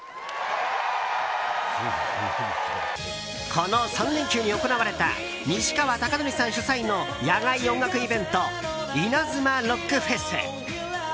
この３連休に行われた西川貴教さん主催の野外音楽イベントイナズマロックフェス。